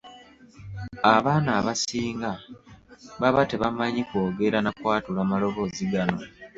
Abaana abasinga baba tebannayiga kwogera na kwatula maloboozi gano.